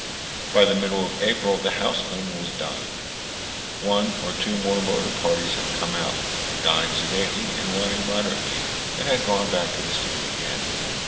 By the middle of April the house cleaning was done. One or two motor parties had come out, dined sedately and wined moderately, and had gone back to the city again.